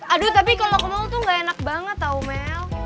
aduh tapi kalau ke mall tuh gak enak banget tau mel